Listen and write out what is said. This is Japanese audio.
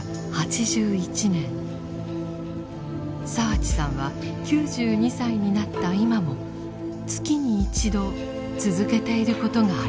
澤地さんは９２歳になった今も月に一度続けていることがあります。